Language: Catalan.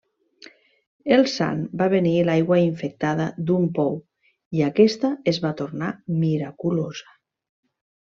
El sant va beneir l’aigua infectada d’un pou i aquesta es va tornar miraculosa.